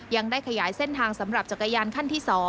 ยังได้ขยายเส้นทางสำหรับจักรยานขั้นที่๒